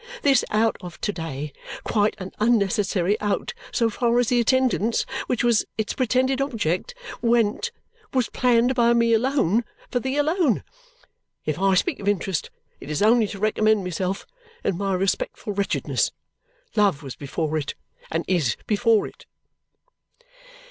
This out of to day, quite an unnecessary out so far as the attendance, which was its pretended object, went, was planned by me alone for thee alone. If I speak of interest, it is only to recommend myself and my respectful wretchedness. Love was before it, and is before it."